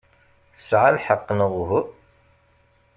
Tesɛa lḥeqq, neɣ uhu?